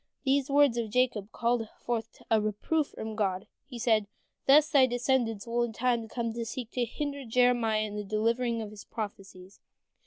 " These words of Jacob called forth a reproof from God. He said, "Thus thy descendants will in time to come seek to hinder Jeremiah in delivering his prophecies."